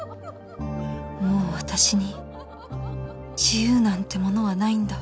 もう私に自由なんてものはないんだ